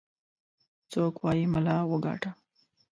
څوك وايي ملا وګاټه.